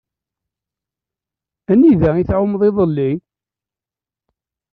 Anida i tɛummeḍ iḍelli?